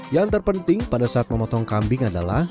yang terpenting pada saat memotong kambing adalah